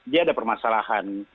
dia ada permasalahan